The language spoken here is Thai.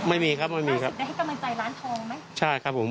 ไม่มีครับไม่มีครับได้ให้กำลังใจร้านทองไหมใช่ครับผม